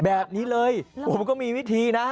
แบบนี้เลยผมก็มีวิธีนะ